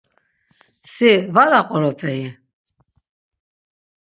Si var aqoroperi?